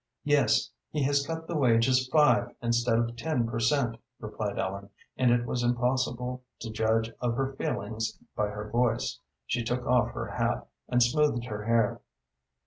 "Yes; he has cut the wages five instead of ten per cent.," replied Ellen, and it was impossible to judge of her feelings by her voice. She took off her hat and smoothed her hair.